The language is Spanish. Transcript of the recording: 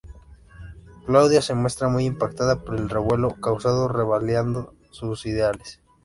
Claudia se muestra muy impactada por el revuelo causado, revalidando sus ideales.